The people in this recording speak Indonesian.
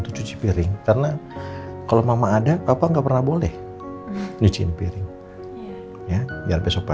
gopro tongelo yang sama liat ibadah ga gue zitten deket